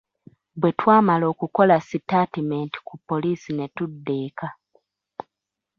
Bwetwamala okukola sitaatimenti ku poolisi ne tudda eka.